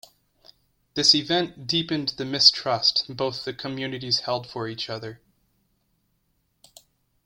This event deepened the mistrust both the communities held for each other.